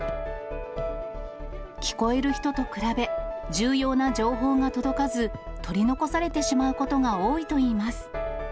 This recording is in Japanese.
聞こえる人と比べ、重要な情報が届かず、取り残されてしまうことが多いといいます。